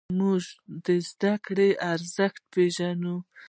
موږ د زدهکړې ارزښت پېژنو.